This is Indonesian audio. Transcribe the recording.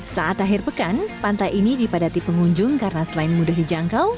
saat akhir pekan pantai ini dipadati pengunjung karena selain mudah dijangkau